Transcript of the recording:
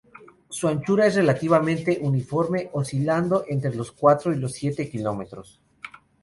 Su anchura es relativamente uniforme, oscilando entre los cuatro y los siete kilómetros.